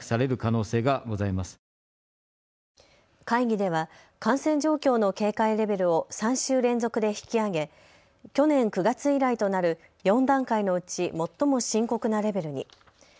会議では感染状況の警戒レベルを３週連続で引き上げ去年９月以来となる４段階のうち最も深刻なレベルに。